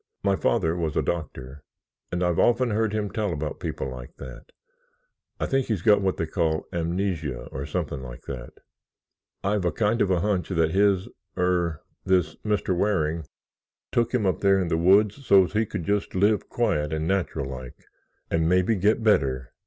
My father was a doctor and I've often heard him tell about people like that. I think he's got what they call amnesia or something like that. I've a kind of a hunch that his—er, this Mr. Waring took him up there in that woods so's he could just live quiet and natural like and maybe get better.